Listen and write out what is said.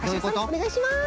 おねがいします！